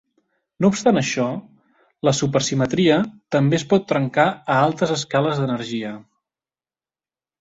No obstant això, la supersimetria també es pot trencar a altes escales d'energia.